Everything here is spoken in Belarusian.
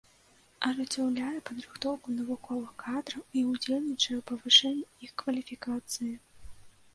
Ажыццяўляе падрыхтоўку навуковых кадраў і ўдзельнічае ў павышэнні іх кваліфікацыі.